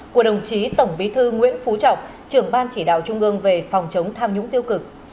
của đồng chí tổng bí thư nguyễn phú trọng trưởng ban chỉ đạo trung ương về phòng chống tham nhũng tiêu cực